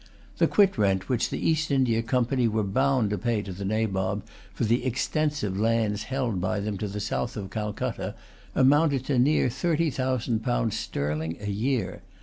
The quit rent which the East India Company were bound to pay to the Nabob for the extensive lands held by them to the south of Calcutta amounted to near thirty thousand pounds sterling a year.